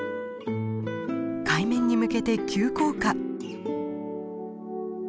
海面に向けて急降下。